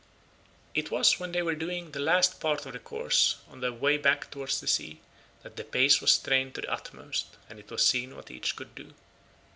It was when they were doing the last part of the course on their way back towards the sea that their pace was strained to the utmost and it was seen what each could do.